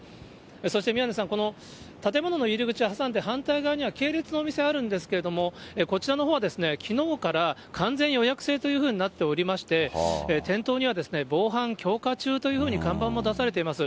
そして宮根さん、この建物の入り口を挟んで反対側には、系列のお店あるんですけれども、こちらのほうは、きのうから完全予約制というふうになっておりまして、店頭には防犯強化中というふうに看板も出されています。